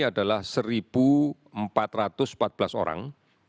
adalah satu empat ratus empat belas orang